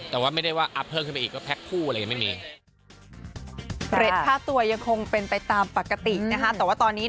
แต่ว่าไม่ได้ว่าอัพเพิ่มขึ้นไปอีก